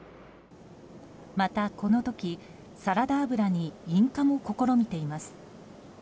また、この時サラダ油に引火も試みています。